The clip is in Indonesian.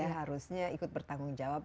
harusnya ikut bertanggung jawab